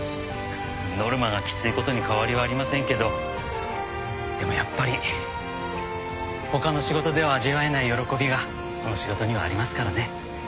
ノルマがきついことに変わりはありませんけどでもやっぱり他の仕事では味わえない喜びがこの仕事にはありますからね。